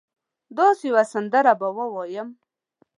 داسي یوه سندره به ووایم